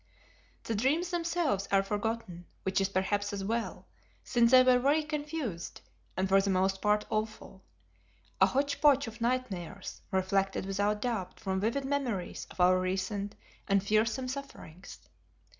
The dreams themselves are forgotten, which is perhaps as well, since they were very confused, and for the most part awful; a hotch potch of nightmares, reflected without doubt from vivid memories of our recent and fearsome sufferings.